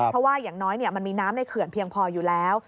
เพราะว่าอย่างน้อยมันมีน้ำในเขื่อนเพียงพออยู่แล้ว